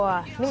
wah ini mas